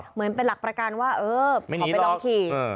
เหมือนเป็นหลักประกันว่าเออขอไปลองขี่